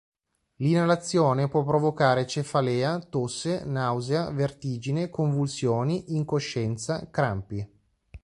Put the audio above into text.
L'inalazione può provocare cefalea, tosse, nausea, vertigine, convulsioni, incoscienza, crampi.